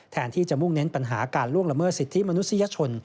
แทนที่จะมุ่งเน้นปัญหาการล่วงละเมิดสิทธิมนุษยชน